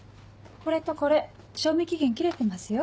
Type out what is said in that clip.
これとこれ賞味期限切れてますよ。